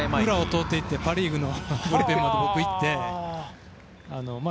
裏を通って行ってパリーグのブルペンまで行って。